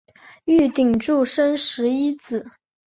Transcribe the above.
玉鼎柱生十一子。